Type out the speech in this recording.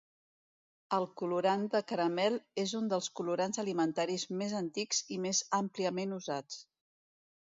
El colorant de caramel és un dels colorants alimentaris més antics i més àmpliament usats.